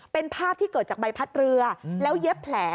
เป็นภาพที่เกิดจากใบพัดเรือแล้วเย็บแผล